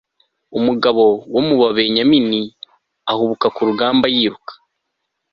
umugabo wo mu babenyamini ahubuka ku rugamba yiruka